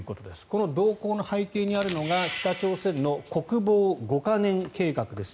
この同行の背景にあるのが北朝鮮の国防五カ年計画です